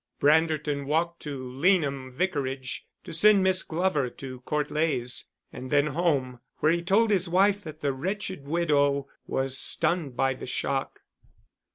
Branderton walked to Leanham Vicarage to send Miss Glover to Court Leys, and then home, where he told his wife that the wretched widow was stunned by the shock.